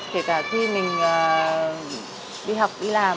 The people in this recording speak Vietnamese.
kể cả khi mình đi học đi làm